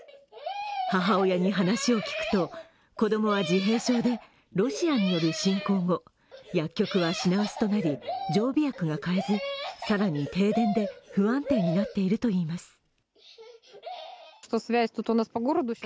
母親に話を聞くと、子供は自閉症でロシアによる侵攻後、薬局は品薄となり、常備薬が買えず更に停電で、不安定になっているといいます。